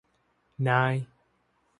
นาย